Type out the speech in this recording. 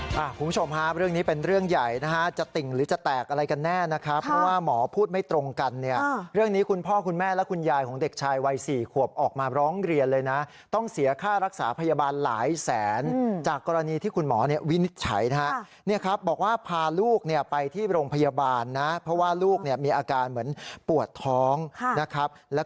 คุณผู้ชมฮะเรื่องนี้เป็นเรื่องใหญ่นะฮะจะติ่งหรือจะแตกอะไรกันแน่นะครับเพราะว่าหมอพูดไม่ตรงกันเนี่ยเรื่องนี้คุณพ่อคุณแม่และคุณยายของเด็กชายวัยสี่ขวบออกมาร้องเรียนเลยนะต้องเสียค่ารักษาพยาบาลหลายแสนจากกรณีที่คุณหมอเนี่ยวินิจฉัยนะฮะเนี่ยครับบอกว่าพาลูกเนี่ยไปที่โรงพยาบาลนะเพราะว่าลูกเนี่ยมีอาการเหมือนปวดท้องนะครับ